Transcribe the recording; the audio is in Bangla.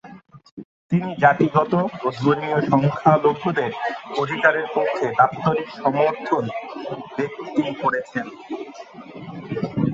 তিনি জাতিগত ও ধর্মীয় সংখ্যালঘুদের অধিকারের পক্ষে দাপ্তরিক সমর্থন ব্যক্তি করেছেন।